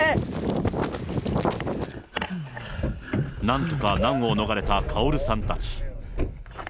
なんとか難を逃れたカオルさんたち。